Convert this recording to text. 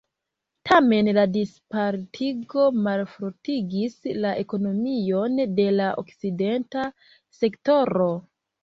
Tamen la dispartigo malfortigis la ekonomion de la okcidenta sektoro.